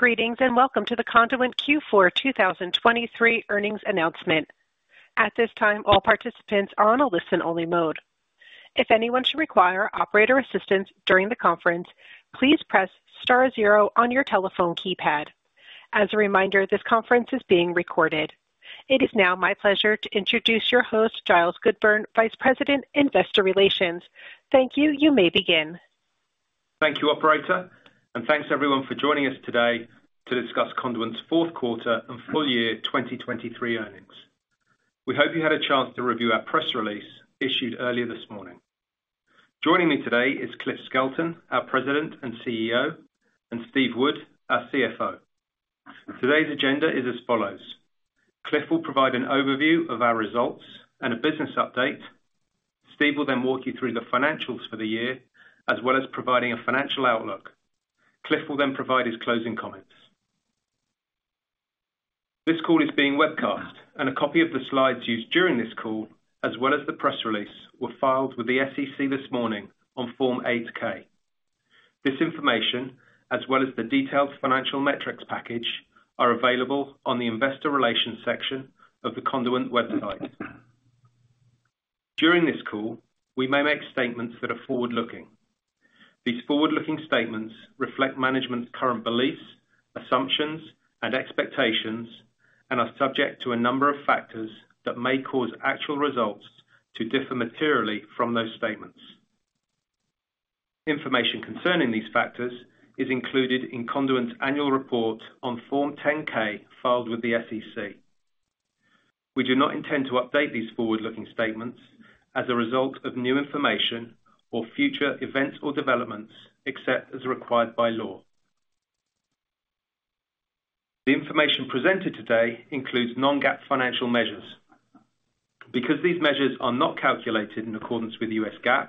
Greetings, and welcome to the Conduent Q4 2023 Earnings Announcement. At this time, all participants are on a listen-only mode. If anyone should require operator assistance during the conference, please press star zero on your telephone keypad. As a reminder, this conference is being recorded. It is now my pleasure to introduce your host, Giles Goodburn, Vice President, Investor Relations. Thank you. You may begin. Thank you, operator, and thanks everyone for joining us today to discuss Conduent's Fourth Quarter and Full Year 2023 Earnings. We hope you had a chance to review our press release issued earlier this morning. Joining me today is Cliff Skelton, our President and CEO, and Steve Wood, our CFO. Today's agenda is as follows: Cliff will provide an overview of our results and a business update. Steve will then walk you through the financials for the year, as well as providing a financial outlook. Cliff will then provide his closing comments. This call is being webcast, and a copy of the slides used during this call, as well as the press release, were filed with the SEC this morning on Form 8-K. This information, as well as the detailed financial metrics package, are available on the investor relations section of the Conduent website. During this call, we may make statements that are forward-looking. These forward-looking statements reflect management's current beliefs, assumptions, and expectations and are subject to a number of factors that may cause actual results to differ materially from those statements. Information concerning these factors is included in Conduent's annual report on Form 10-K, filed with the SEC. We do not intend to update these forward-looking statements as a result of new information or future events or developments, except as required by law. The information presented today includes non-GAAP financial measures. Because these measures are not calculated in accordance with U.S. GAAP,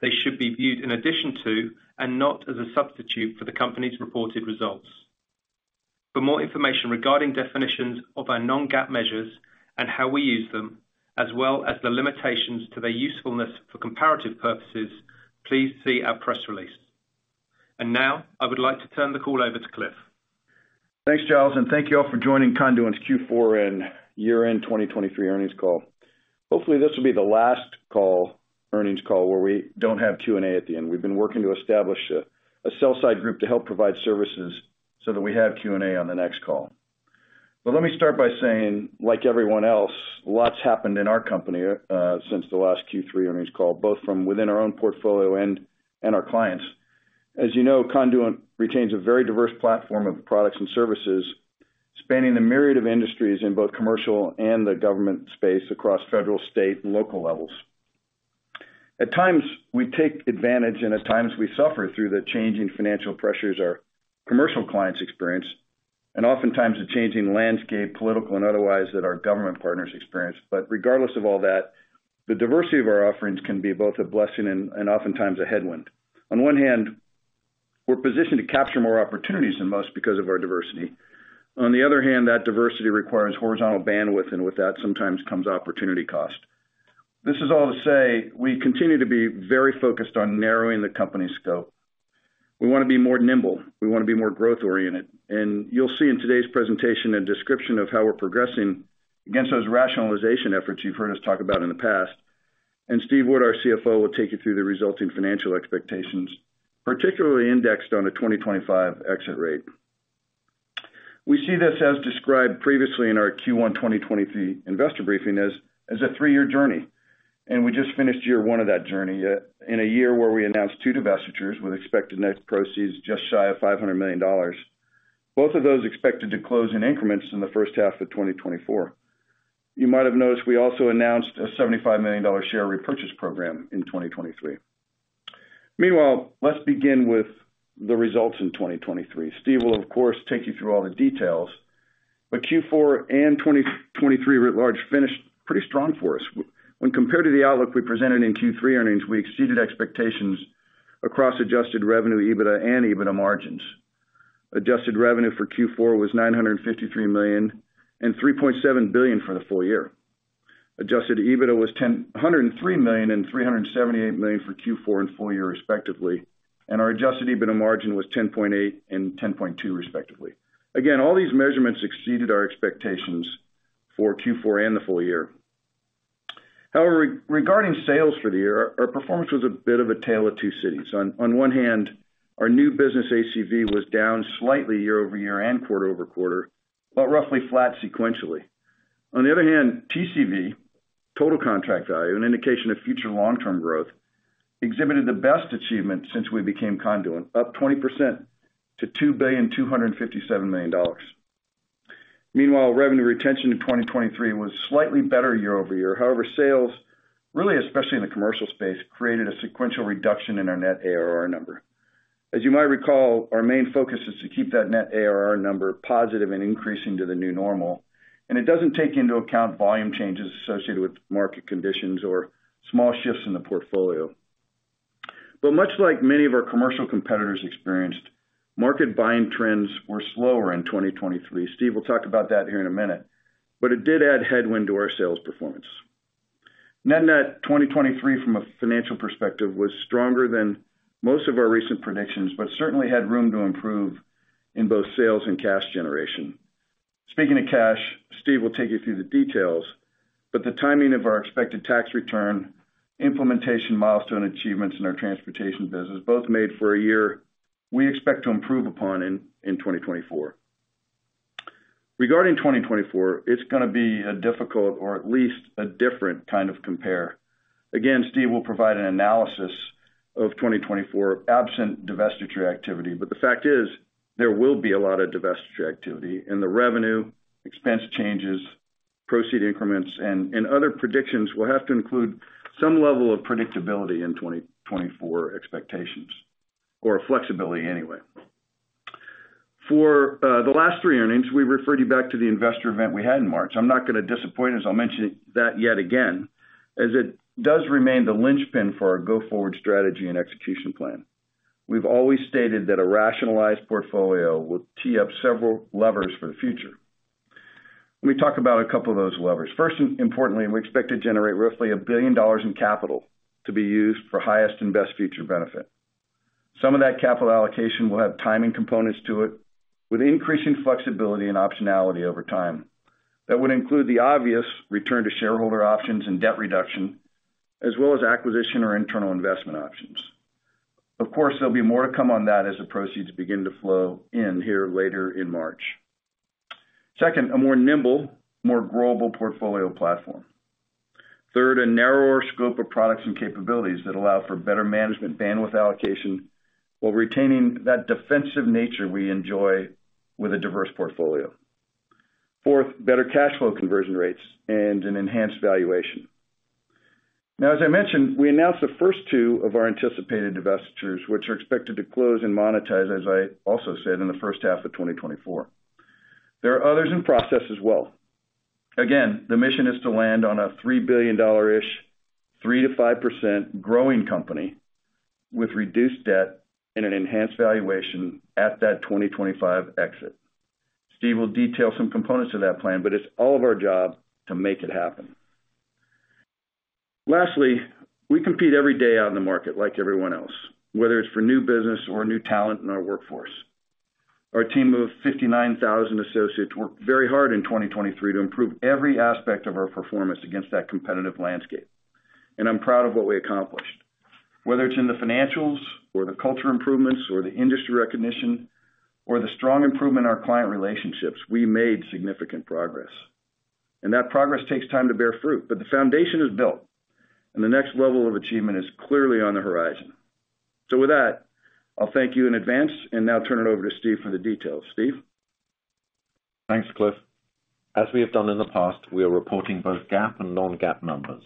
they should be viewed in addition to, and not as a substitute for, the company's reported results. For more information regarding definitions of our non-GAAP measures and how we use them, as well as the limitations to their usefulness for comparative purposes, please see our press release. Now, I would like to turn the call over to Cliff. Thanks, Giles, and thank you all for joining Conduent's Q4 and year-end 2023 earnings call. Hopefully, this will be the last call, earnings call, where we don't have Q&A at the end. We've been working to establish a sell-side group to help provide services so that we have Q&A on the next call. But let me start by saying, like everyone else, lots happened in our company since the last Q3 earnings call, both from within our own portfolio and our clients. As you know, Conduent retains a very diverse platform of products and services, spanning a myriad of industries in both commercial and the government space across federal, state, and local levels. At times, we take advantage, and at times we suffer through the changing financial pressures our commercial clients experience, and oftentimes the changing landscape, political and otherwise, that our government partners experience. But regardless of all that, the diversity of our offerings can be both a blessing and oftentimes a headwind. On one hand, we're positioned to capture more opportunities than most because of our diversity. On the other hand, that diversity requires horizontal bandwidth, and with that sometimes comes opportunity cost. This is all to say, we continue to be very focused on narrowing the company's scope. We want to be more nimble. We want to be more growth-oriented. And you'll see in today's presentation a description of how we're progressing against those rationalization efforts you've heard us talk about in the past. And Steve Wood, our CFO, will take you through the resulting financial expectations, particularly indexed on a 2025 exit rate. We see this as described previously in our Q1 2023 investor briefing as a three-year journey, and we just finished year one of that journey in a year where we announced two divestitures with expected net proceeds just shy of $500 million. Both of those expected to close in increments in the first half of 2024. You might have noticed we also announced a $75 million share repurchase program in 2023. Meanwhile, let's begin with the results in 2023. Steve will, of course, take you through all the details, but Q4 in 2023 largely finished pretty strong for us. When compared to the outlook we presented in Q3 earnings, we exceeded expectations across adjusted revenue, EBITDA, and EBITDA margins. Adjusted revenue for Q4 was $953 million and $3.7 billion for the full year. Adjusted EBITDA was $103 million and $378 million for Q4 and full year, respectively, and our adjusted EBITDA margin was 10.8% and 10.2%, respectively. Again, all these measurements exceeded our expectations for Q4 and the full year. However, regarding sales for the year, our performance was a bit of a tale of two cities. On one hand, our new business ACV was down slightly year-over-year and quarter-over-quarter, but roughly flat sequentially. On the other hand, TCV, total contract value, an indication of future long-term growth, exhibited the best achievement since we became Conduent, up 20% to $2,257 million. Meanwhile, revenue retention in 2023 was slightly better year-over-year. However, sales, really, especially in the commercial space, created a sequential reduction in our net ARR number. As you might recall, our main focus is to keep that net ARR number positive and increasing to the new normal, and it doesn't take into account volume changes associated with market conditions or small shifts in the portfolio. But much like many of our commercial competitors experienced, market buying trends were slower in 2023. Steve will talk about that here in a minute, but it did add headwind to our sales performance. Net net 2023, from a financial perspective, was stronger than most of our recent predictions, but certainly had room to improve in both sales and cash generation. Speaking of cash, Steve will take you through the details, but the timing of our expected tax return, implementation milestone achievements in our transportation business, both made for a year we expect to improve upon in 2024. Regarding 2024, it's gonna be a difficult or at least a different kind of compare. Again, Steve will provide an analysis of 2024, absent divestiture activity, but the fact is, there will be a lot of divestiture activity, and the revenue, expense changes, proceeds increments, and other predictions will have to include some level of predictability in 2024 expectations, or flexibility anyway. For the last three earnings, we referred you back to the investor event we had in March. I'm not gonna disappoint, as I'll mention it, that yet again, as it does remain the linchpin for our go-forward strategy and execution plan. We've always stated that a rationalized portfolio will tee up several levers for the future. Let me talk about a couple of those levers. First, and importantly, we expect to generate roughly $1 billion in capital to be used for highest and best future benefit. Some of that capital allocation will have timing components to it, with increasing flexibility and optionality over time. That would include the obvious return to shareholder options and debt reduction, as well as acquisition or internal investment options. Of course, there'll be more to come on that as the proceeds begin to flow in here later in March. Second, a more nimble, more growable portfolio platform. Third, a narrower scope of products and capabilities that allow for better management bandwidth allocation while retaining that defensive nature we enjoy with a diverse portfolio. Fourth, better cash flow conversion rates and an enhanced valuation. Now, as I mentioned, we announced the first two of our anticipated divestitures, which are expected to close and monetize, as I also said, in the first half of 2024. There are others in process as well. Again, the mission is to land on a $3 billion-ish, 3%-5% growing company with reduced debt and an enhanced valuation at that 2025 exit. Steve will detail some components of that plan, but it's all of our job to make it happen. Lastly, we compete every day out in the market like everyone else, whether it's for new business or new talent in our workforce. Our team of 59,000 associates worked very hard in 2023 to improve every aspect of our performance against that competitive landscape, and I'm proud of what we accomplished. Whether it's in the financials or the culture improvements or the industry recognition or the strong improvement in our client relationships, we made significant progress, and that progress takes time to bear fruit, but the foundation is built, and the next level of achievement is clearly on the horizon. So with that, I'll thank you in advance, and now turn it over to Steve for the details. Steve? Thanks, Cliff. As we have done in the past, we are reporting both GAAP and non-GAAP numbers.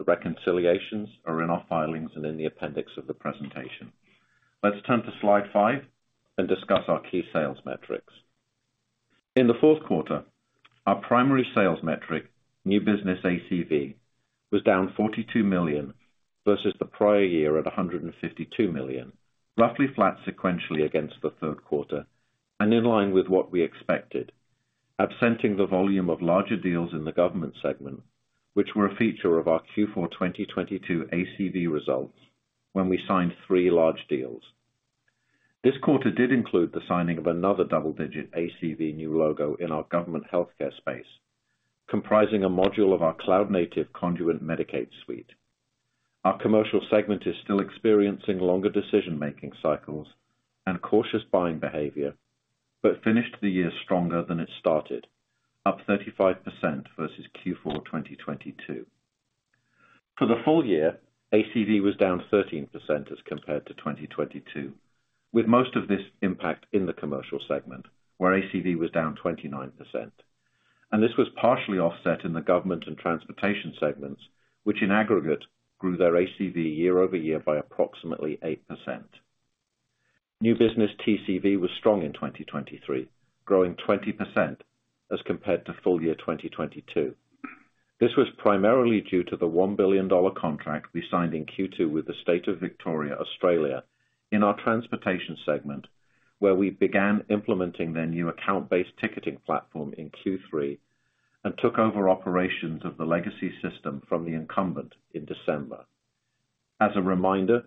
The reconciliations are in our filings and in the appendix of the presentation. Let's turn to slide five and discuss our key sales metrics. In the fourth quarter, our primary sales metric, new business ACV, was down $42 million versus the prior year at $152 million, roughly flat sequentially against the third quarter, and in line with what we expected, absenting the volume of larger deals in the government segment, which were a feature of our Q4 2022 ACV results when we signed three large deals. This quarter did include the signing of another double-digit ACV new logo in our government healthcare space, comprising a module of our cloud native Conduent Medicaid Suite. Our commercial segment is still experiencing longer decision-making cycles and cautious buying behavior, but finished the year stronger than it started, up 35% versus Q4 2022. For the full year, ACV was down 13% as compared to 2022, with most of this impact in the commercial segment, where ACV was down 29%. This was partially offset in the government and transportation segments, which in aggregate, grew their ACV year-over-year by approximately 8%. New business TCV was strong in 2023, growing 20% as compared to full year 2022. This was primarily due to the $1 billion contract we signed in Q2 with the State of Victoria, Australia, in our transportation segment, where we began implementing their new account-based ticketing platform in Q3 and took over operations of the legacy system from the incumbent in December. As a reminder,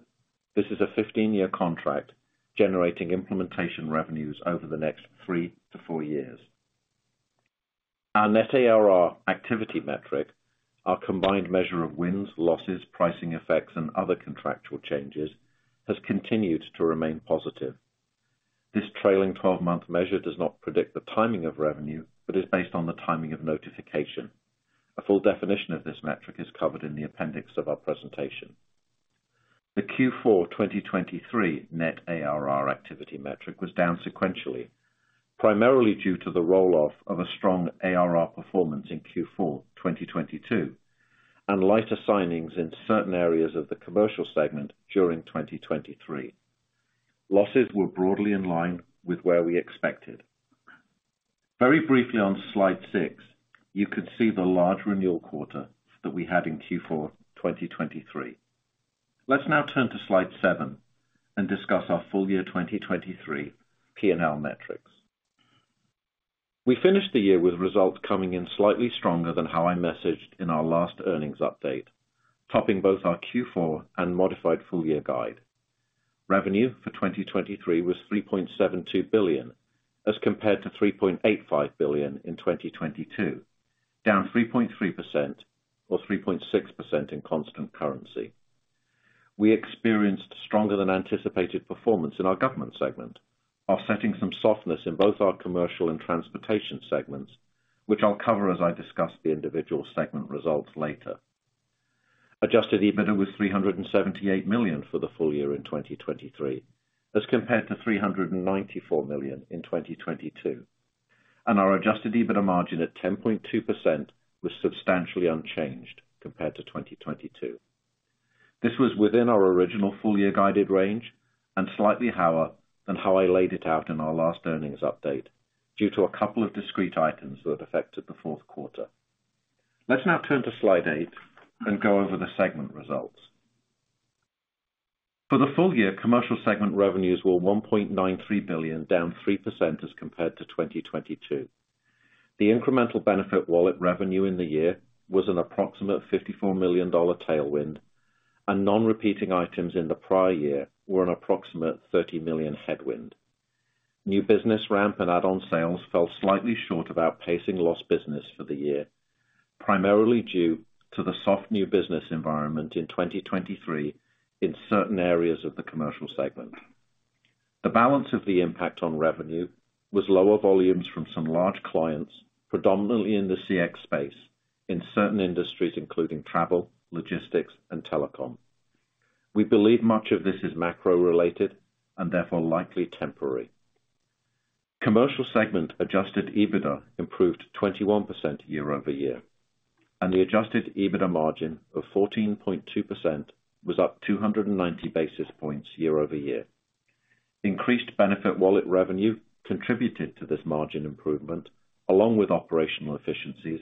this is a 15-year contract generating implementation revenues over the next three to four years. Our net ARR activity metric, our combined measure of wins, losses, pricing effects, and other contractual changes, has continued to remain positive. This trailing 12-month measure does not predict the timing of revenue, but is based on the timing of notification. A full definition of this metric is covered in the appendix of our presentation. The Q4 2023 net ARR activity metric was down sequentially, primarily due to the roll-off of a strong ARR performance in Q4 2022 and lighter signings in certain areas of the commercial segment during 2023. Losses were broadly in line with where we expected. Very briefly on slide six, you can see the large renewal quarter that we had in Q4 2023. Let's now turn to slide seven and discuss our full year 2023 P&L metrics. We finished the year with results coming in slightly stronger than how I messaged in our last earnings update, topping both our Q4 and modified full year guide. Revenue for 2023 was $3.72 billion, as compared to $3.85 billion in 2022, down 3.3% or 3.6% in constant currency. We experienced stronger than anticipated performance in our government segment, offsetting some softness in both our commercial and transportation segments, which I'll cover as I discuss the individual segment results later. Adjusted EBITDA was $378 million for the full year in 2023, as compared to $394 million in 2022, and our Adjusted EBITDA margin at 10.2% was substantially unchanged compared to 2022. This was within our original full year guided range and slightly higher than how I laid it out in our last earnings update, due to a couple of discrete items that affected the fourth quarter. Let's now turn to Slide eight and go over the segment results. For the full year, commercial segment revenues were $1.93 billion, down 3% as compared to 2022. The incremental BenefitWallet revenue in the year was an approximate $54 million tailwind, and non-repeating items in the prior year were an approximate $30 million headwind. New business ramp and add-on sales fell slightly short of outpacing lost business for the year, primarily due to the soft new business environment in 2023 in certain areas of the commercial segment. The balance of the impact on revenue was lower volumes from some large clients, predominantly in the CX space, in certain industries, including travel, logistics, and telecom. We believe much of this is macro-related and therefore likely temporary. Commercial segment adjusted EBITDA improved 21% year-over-year, and the adjusted EBITDA margin of 14.2% was up 290 basis points year-over-year. Increased BenefitWallet revenue contributed to this margin improvement, along with operational efficiencies,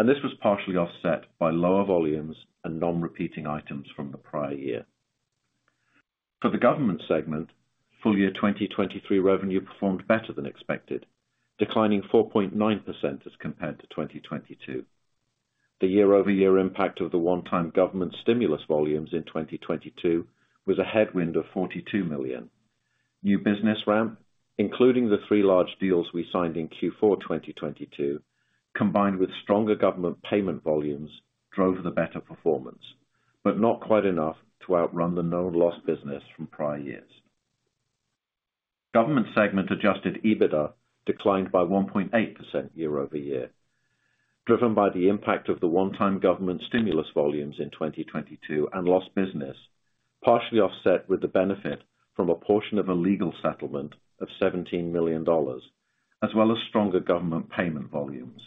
and this was partially offset by lower volumes and non-repeating items from the prior year. For the government segment, full year 2023 revenue performed better than expected, declining 4.9% as compared to 2022. The year-over-year impact of the one-time government stimulus volumes in 2022 was a headwind of $42 million. New business ramp, including the three large deals we signed in Q4 2022, combined with stronger government payment volumes, drove the better performance, but not quite enough to outrun the known lost business from prior years. Government segment adjusted EBITDA declined by 1.8% year-over-year, driven by the impact of the one-time government stimulus volumes in 2022 and lost business, partially offset with the benefit from a portion of a legal settlement of $17 million, as well as stronger government payment volumes.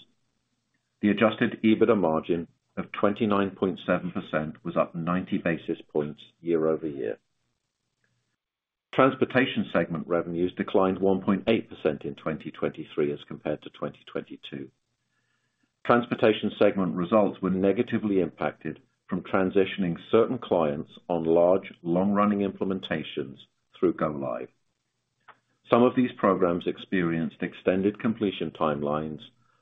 The adjusted EBITDA margin of 29.7% was up 90 basis points year-over-year. Transportation segment revenues declined 1.8% in 2023 as compared to 2022. Transportation segment results were negatively impacted from transitioning certain clients on large, long-running implementations through go-live. Some of these programs experienced extended completion timelines,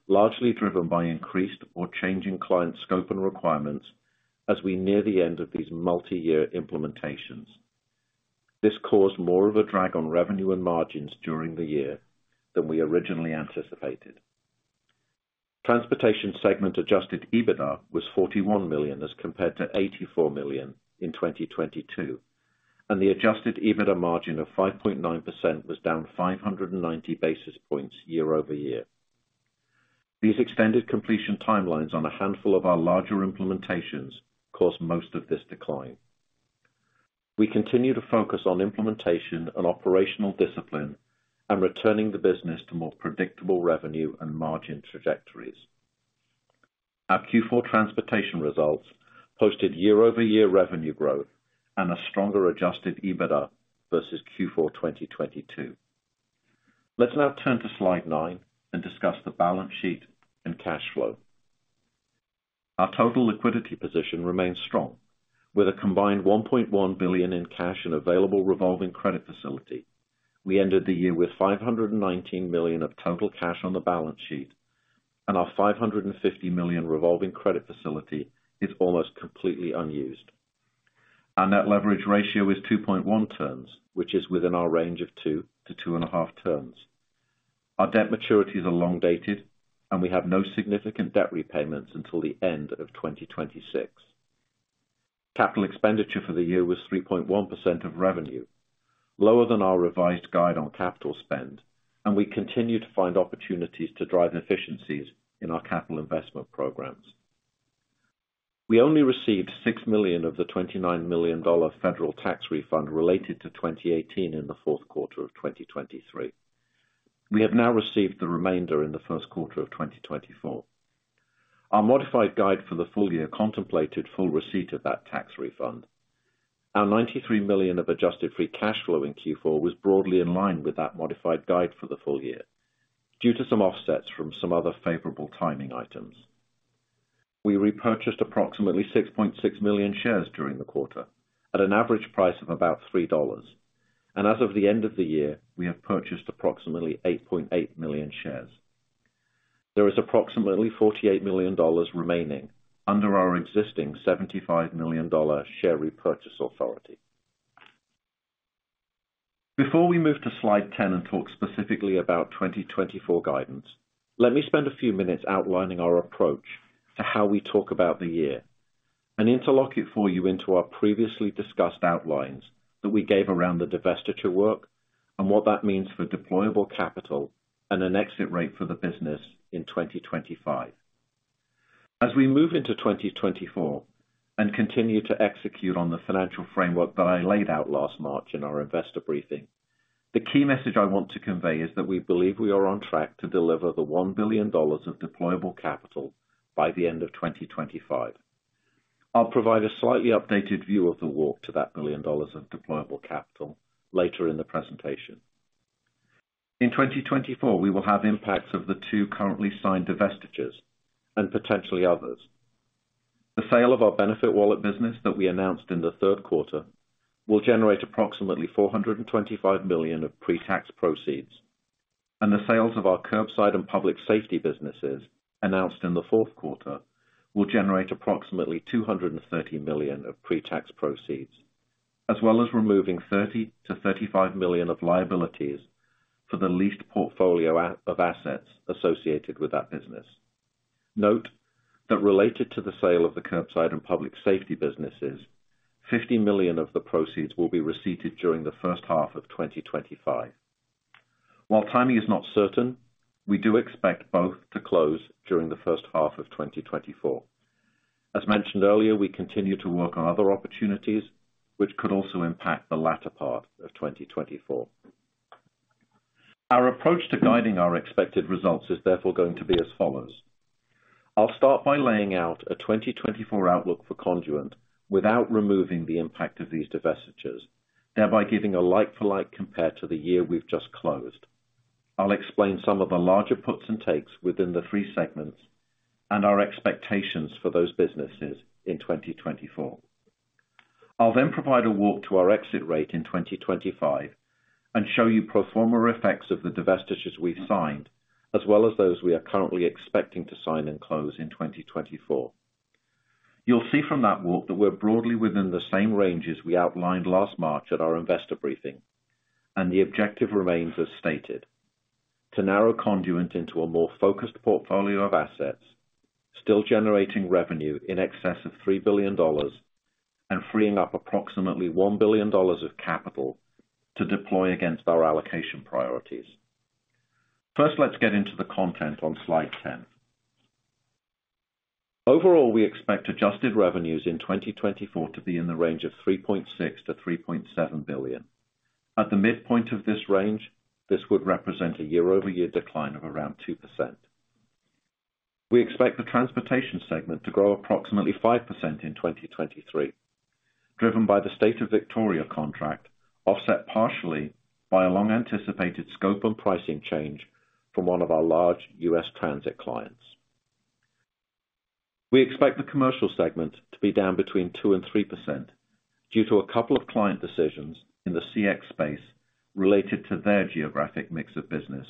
largely driven by increased or changing client scope and requirements as we near the end of these multi-year implementations. This caused more of a drag on revenue and margins during the year than we originally anticipated. Transportation segment adjusted EBITDA was $41 million, as compared to $84 million in 2022, and the adjusted EBITDA margin of 5.9% was down 590 basis points year-over-year. These extended completion timelines on a handful of our larger implementations caused most of this decline. We continue to focus on implementation and operational discipline and returning the business to more predictable revenue and margin trajectories. Our Q4 transportation results posted year-over-year revenue growth and a stronger Adjusted EBITDA versus Q4 2022. Let's now turn to Slide nine and discuss the balance sheet and cash flow. Our total liquidity position remains strong, with a combined $1.1 billion in cash and available revolving credit facility. We ended the year with $519 million of total cash on the balance sheet, and our $550 million revolving credit facility is almost completely unused. Our net leverage ratio is 2.1x, which is within our range of 2x-2.5x. Our debt maturities are long dated, and we have no significant debt repayments until the end of 2026. Capital expenditure for the year was 3.1% of revenue, lower than our revised guide on capital spend, and we continue to find opportunities to drive efficiencies in our capital investment programs. We only received $6 million of the $29 million federal tax refund related to 2018 in the fourth quarter of 2023. We have now received the remainder in the first quarter of 2024. Our modified guide for the full year contemplated full receipt of that tax refund. Our $93 million of adjusted Free Cash Flow in Q4 was broadly in line with that modified guide for the full year, due to some offsets from some other favorable timing items.... We repurchased approximately 6.6 million shares during the quarter at an average price of about $3, and as of the end of the year, we have purchased approximately 8.8 million shares. There is approximately $48 million remaining under our existing $75 million share repurchase authority. Before we move to slide 10 and talk specifically about 2024 guidance, let me spend a few minutes outlining our approach to how we talk about the year, and interlock it for you into our previously discussed outlines that we gave around the divestiture work and what that means for deployable capital and an exit rate for the business in 2025. As we move into 2024 and continue to execute on the financial framework that I laid out last March in our investor briefing, the key message I want to convey is that we believe we are on track to deliver $1 billion of deployable capital by the end of 2025. I'll provide a slightly updated view of the walk to that $1 billion of deployable capital later in the presentation. In 2024, we will have impacts of the two currently signed divestitures and potentially others. The sale of our BenefitWallet business that we announced in the third quarter will generate approximately $425 million of pre-tax proceeds, and the sales of our Curbside and Public Safety businesses announced in the fourth quarter will generate approximately $230 million of pre-tax proceeds, as well as removing $30-$35 million of liabilities for the leased portfolio of assets associated with that business. Note that related to the sale of the Curbside and Public Safety businesses, $50 million of the proceeds will be receipted during the first half of 2025. While timing is not certain, we do expect both to close during the first half of 2024. As mentioned earlier, we continue to work on other opportunities which could also impact the latter part of 2024. Our approach to guiding our expected results is therefore going to be as follows: I'll start by laying out a 2024 outlook for Conduent without removing the impact of these divestitures, thereby giving a like-for-like compare to the year we've just closed. I'll explain some of the larger puts and takes within the three segments and our expectations for those businesses in 2024. I'll then provide a walk to our exit rate in 2025 and show you pro forma effects of the divestitures we've signed, as well as those we are currently expecting to sign and close in 2024. You'll see from that walk that we're broadly within the same ranges we outlined last March at our investor briefing, and the objective remains as stated, to narrow Conduent into a more focused portfolio of assets, still generating revenue in excess of $3 billion, and freeing up approximately $1 billion of capital to deploy against our allocation priorities. First, let's get into the content on slide 10. Overall, we expect adjusted revenues in 2024 to be in the range of $3.6 billion-$3.7 billion. At the midpoint of this range, this would represent a year-over-year decline of around 2%. We expect the transportation segment to grow approximately 5% in 2023, driven by the State of Victoria contract, offset partially by a long-anticipated scope and pricing change from one of our large U.S. transit clients. We expect the commercial segment to be down between 2% and 3% due to a couple of client decisions in the CX space related to their geographic mix of business,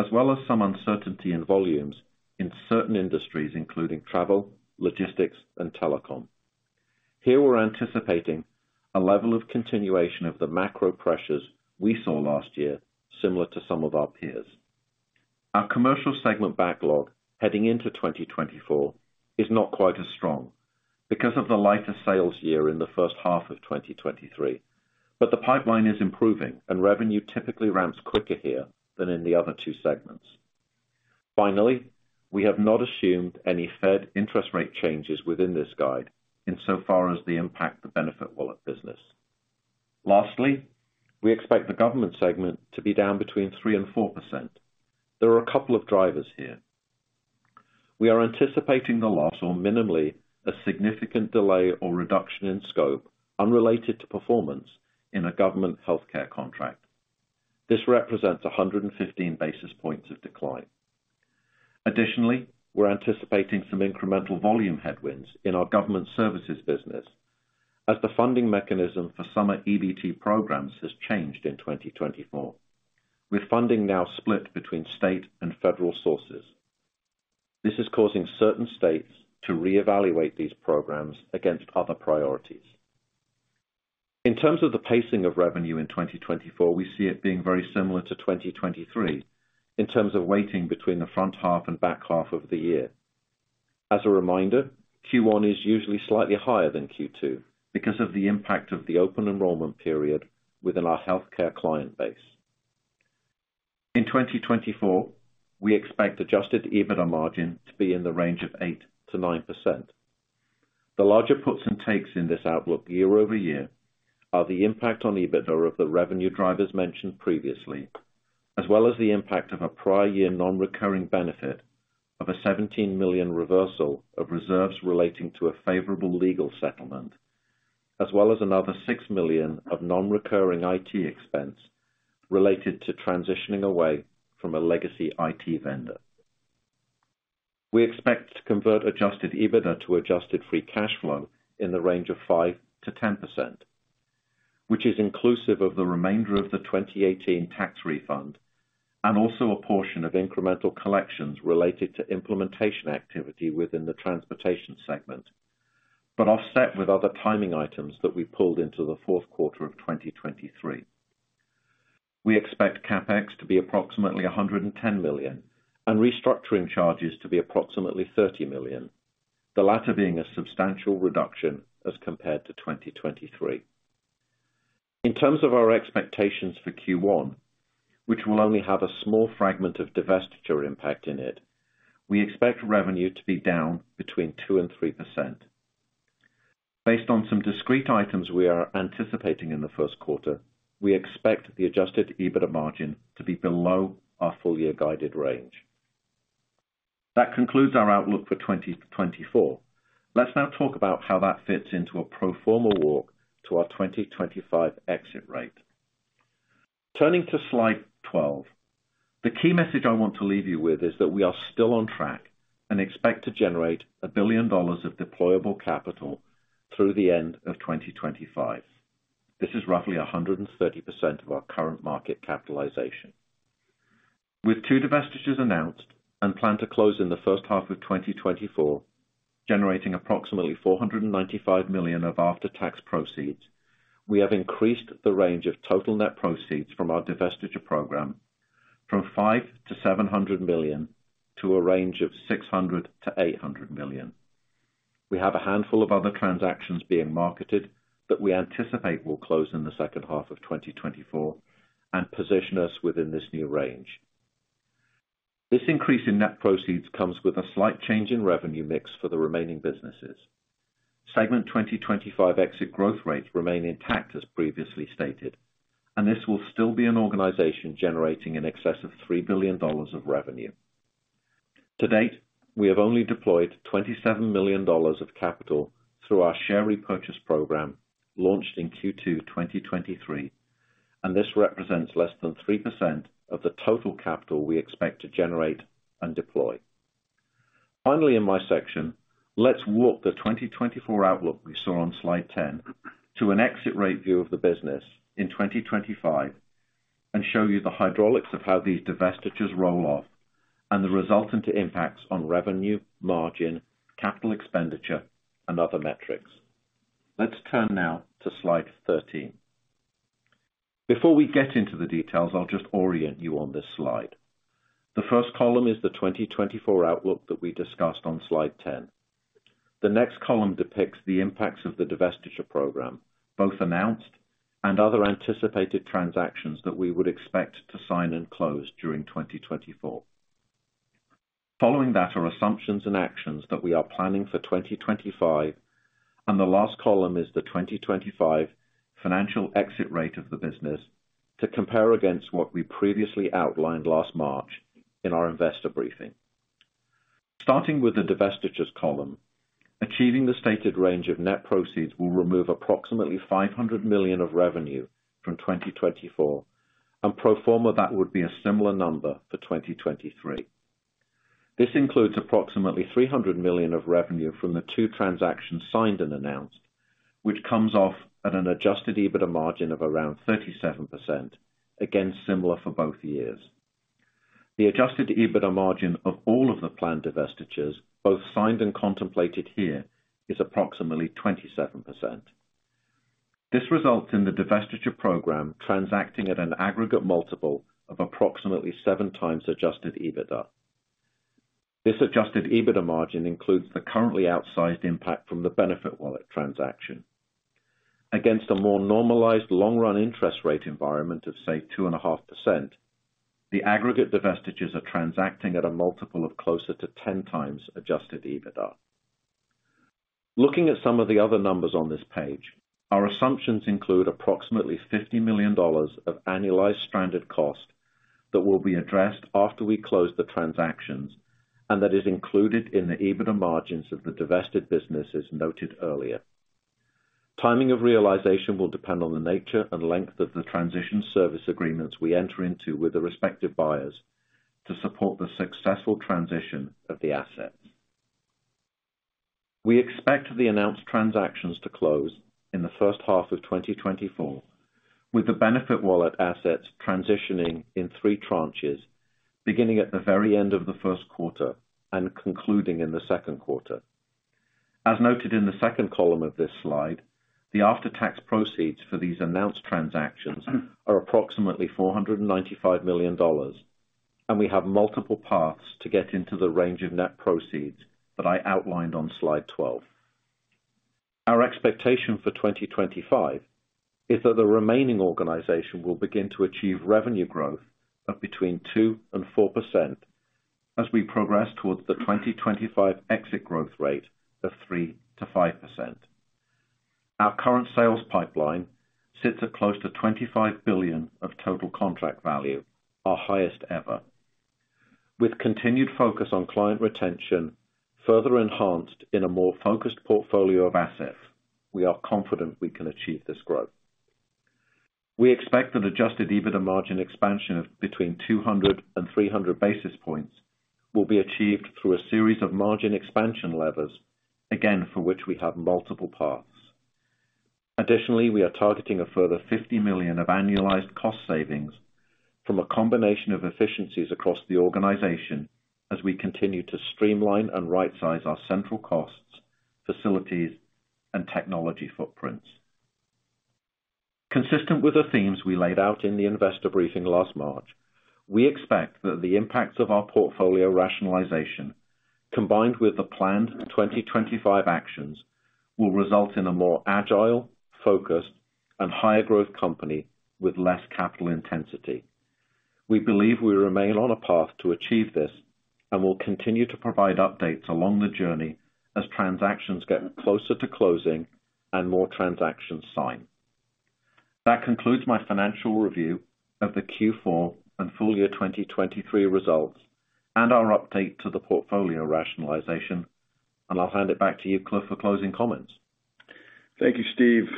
as well as some uncertainty in volumes in certain industries, including travel, logistics, and telecom. Here, we're anticipating a level of continuation of the macro pressures we saw last year, similar to some of our peers. Our commercial segment backlog heading into 2024 is not quite as strong because of the lighter sales year in the first half of 2023, but the pipeline is improving and revenue typically ramps quicker here than in the other two segments. Finally, we have not assumed any Fed interest rate changes within this guide insofar as they impact the BenefitWallet business. Lastly, we expect the government segment to be down between 3% and 4%. There are a couple of drivers here. We are anticipating the loss or minimally a significant delay or reduction in scope unrelated to performance in a government healthcare contract. This represents 115 basis points of decline. Additionally, we're anticipating some incremental volume headwinds in our government services business as the funding mechanism for Summer EBT programs has changed in 2024, with funding now split between state and federal sources. This is causing certain states to reevaluate these programs against other priorities. In terms of the pacing of revenue in 2024, we see it being very similar to 2023 in terms of weighting between the front half and back half of the year. As a reminder, Q1 is usually slightly higher than Q2 because of the impact of the open enrollment period within our healthcare client base. In 2024, we expect Adjusted EBITDA margin to be in the range of 8%-9%. The larger puts and takes in this outlook year-over-year are the impact on EBITDA of the revenue drivers mentioned previously, as well as the impact of a prior year non-recurring benefit of a $17 million reversal of reserves relating to a favorable legal settlement, as well as another $6 million of non-recurring IT expense related to transitioning away from a legacy IT vendor. We expect to convert Adjusted EBITDA to adjusted Free Cash Flow in the range of 5%-10%, which is inclusive of the remainder of the 2018 tax refund, and also a portion of incremental collections related to implementation activity within the transportation segment, but offset with other timing items that we pulled into the fourth quarter of 2023. We expect CapEx to be approximately $110 million, and restructuring charges to be approximately $30 million, the latter being a substantial reduction as compared to 2023. In terms of our expectations for Q1, which will only have a small fragment of divestiture impact in it, we expect revenue to be down between 2% and 3%. Based on some discrete items we are anticipating in the first quarter, we expect the adjusted EBITDA margin to be below our full year guided range. That concludes our outlook for 2024. Let's now talk about how that fits into a pro forma walk to our 2025 exit rate. Turning to slide 12, the key message I want to leave you with is that we are still on track and expect to generate $1 billion of deployable capital through the end of 2025. This is roughly 130% of our current market capitalization. With two divestitures announced and plan to close in the first half of 2024, generating approximately $495 million of after-tax proceeds, we have increased the range of total net proceeds from our divestiture program from $500 million-$700 million to a range of $600 million-$800 million. We have a handful of other transactions being marketed that we anticipate will close in the second half of 2024 and position us within this new range. This increase in net proceeds comes with a slight change in revenue mix for the remaining businesses. Segment 2025 exit growth rates remain intact, as previously stated, and this will still be an organization generating in excess of $3 billion of revenue. To date, we have only deployed $27 million of capital through our share repurchase program, launched in Q2 2023, and this represents less than 3% of the total capital we expect to generate and deploy. Finally, in my section, let's walk the 2024 outlook we saw on slide 10 to an exit rate view of the business in 2025 and show you the hydraulics of how these divestitures roll off and the resultant impacts on revenue, margin, capital expenditure, and other metrics. Let's turn now to slide 13. Before we get into the details, I'll just orient you on this slide. The first column is the 2024 outlook that we discussed on slide 10. The next column depicts the impacts of the divestiture program, both announced and other anticipated transactions that we would expect to sign and close during 2024. Following that are assumptions and actions that we are planning for 2025, and the last column is the 2025 financial exit rate of the business to compare against what we previously outlined last March in our investor briefing. Starting with the divestitures column, achieving the stated range of net proceeds will remove approximately $500 million of revenue from 2024, and pro forma, that would be a similar number for 2023. This includes approximately $300 million of revenue from the two transactions signed and announced, which comes off at an Adjusted EBITDA margin of around 37%, again, similar for both years. The Adjusted EBITDA margin of all of the planned divestitures, both signed and contemplated here, is approximately 27%. This results in the divestiture program transacting at an aggregate multiple of approximately 7x Adjusted EBITDA. This adjusted EBITDA margin includes the currently outsized impact from the BenefitWallet transaction. Against a more normalized long-run interest rate environment of, say, 2.5%, the aggregate divestitures are transacting at a multiple of closer to 10x adjusted EBITDA. Looking at some of the other numbers on this page, our assumptions include approximately $50 million of annualized stranded cost that will be addressed after we close the transactions, and that is included in the EBITDA margins of the divested businesses noted earlier. Timing of realization will depend on the nature and length of the transition service agreements we enter into with the respective buyers to support the successful transition of the assets. We expect the announced transactions to close in the first half of 2024, with the BenefitWallet assets transitioning in three tranches, beginning at the very end of the first quarter and concluding in the second quarter. As noted in the second column of this slide, the after-tax proceeds for these announced transactions are approximately $495 million, and we have multiple paths to get into the range of net proceeds that I outlined on slide 12. Our expectation for 2025 is that the remaining organization will begin to achieve revenue growth of between 2% and 4% as we progress towards the 2025 exit growth rate of 3%-5%. Our current sales pipeline sits at close to $25 billion of total contract value, our highest ever. With continued focus on client retention, further enhanced in a more focused portfolio of assets, we are confident we can achieve this growth. We expect an Adjusted EBITDA margin expansion of between 200 basis points and 300 basis points will be achieved through a series of margin expansion levers, again, for which we have multiple paths. Additionally, we are targeting a further $50 million of annualized cost savings from a combination of efficiencies across the organization as we continue to streamline and rightsize our central costs, facilities, and technology footprints. Consistent with the themes we laid out in the investor briefing last March, we expect that the impacts of our portfolio rationalization, combined with the planned 2025 actions, will result in a more agile, focused, and higher growth company with less capital intensity. We believe we remain on a path to achieve this and will continue to provide updates along the journey as transactions get closer to closing and more transactions sign. That concludes my financial review of the Q4 and full year 2023 results and our update to the portfolio rationalization, and I'll hand it back to you, Cliff, for closing comments. Thank you, Steve.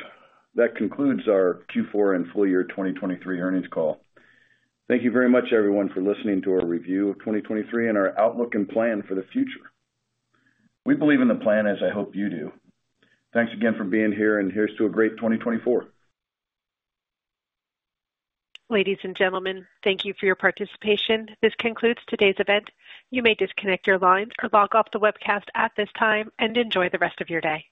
That concludes our Q4 and full year 2023 earnings call. Thank you very much, everyone, for listening to our review of 2023 and our outlook and plan for the future. We believe in the plan, as I hope you do. Thanks again for being here, and here's to a great 2024. Ladies and gentlemen, thank you for your participation. This concludes today's event. You may disconnect your lines or log off the webcast at this time, and enjoy the rest of your day.